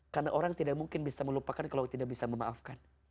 karena orang tidak mungkin bisa melupakan kalau tidak bisa memaafkan